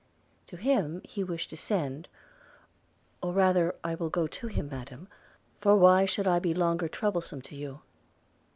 – To him he wished to send – 'or rather I will go to him, Madam – for why should I be longer troublesome to you?'